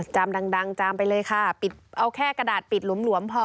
จามดังจามไปเลยค่ะปิดเอาแค่กระดาษปิดหลวมพอ